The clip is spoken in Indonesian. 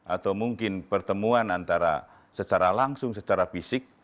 atau mungkin pertemuan antara secara langsung secara fisik